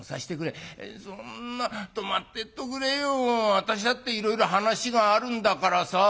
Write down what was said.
私だっていろいろ話があるんだからさ」。